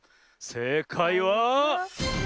せいかいは。